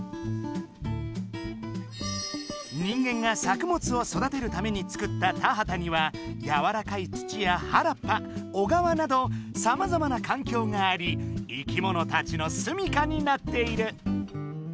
人間が作物を育てるために作った田畑にはやわらかい土や原っぱ小川などさまざまな環境があり生きものたちのすみかになっている。